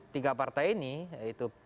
tiga partai ini yaitu